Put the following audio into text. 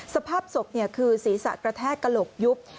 สภาพศพคือศีรษะกระแทกกระโหลกยุบ